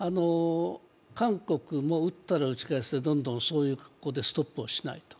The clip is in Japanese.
韓国も撃ったら撃ち返して、どんどんそういう格好でストップをしないと。